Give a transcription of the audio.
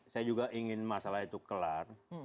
saya juga ingin masalah itu kelar